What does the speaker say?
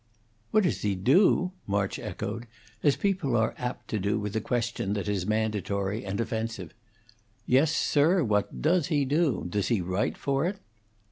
"What does he do?" March echoed, as people are apt to do with a question that is mandatory and offensive. "Yes, sir, what does he do? Does he write for it?"